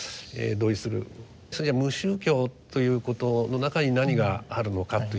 それじゃ無宗教ということの中に何があるのかというですね